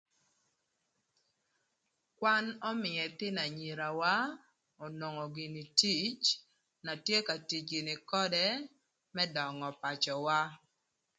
Kwan ömïö ëthïnö anyirawa onongo gïnï tic na tye ka tic gïnï ködë më döngö pacöwa.